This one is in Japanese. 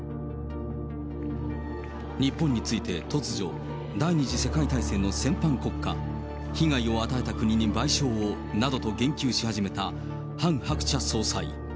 日本について突如、第２次世界大戦の戦犯国家、被害を与えた国に賠償をなどと言及し始めたハン・ハクチャ総裁。